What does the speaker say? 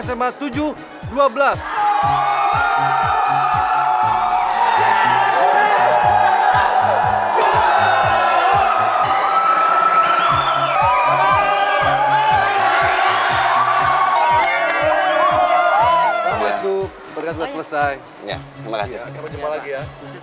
selamat berjumpa lagi ya